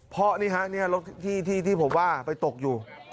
พ่อนี่ครับนี่รถที่ผมว่าไปตกอยู่